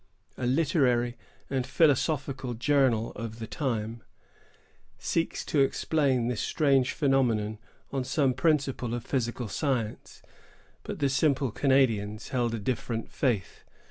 A literary and philosophical journal of the time seeks to explain this strange phenomenon on some principle of physical science; but the simple Canadians held a different faith.